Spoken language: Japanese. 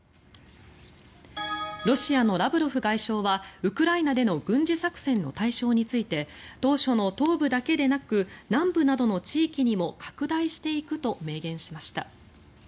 ロシアのラブロフ外相はウクライナでの軍事作戦の対象について当初の東部だけでなく南部などの地域にも拡大していくと明言しました。